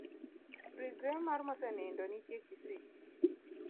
Rigre mar mosenindo nitie kisii.